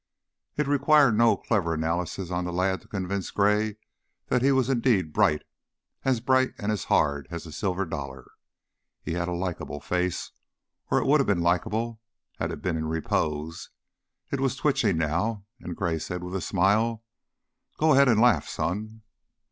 It required no clever analysis of the lad to convince Gray that he was indeed bright, as bright and as hard as a silver dollar. He had a likable face, or it would have been likable had it been in repose. It was twitching now, and Gray said, with a smile, "Go ahead and laugh, son."